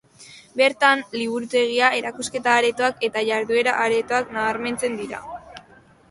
Bertan liburutegia, erakusketa aretoak eta jarduera aretoak nabarmentzen dira.